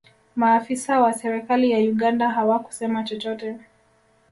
maafisa wa serikali ya uganda hawakusema chochote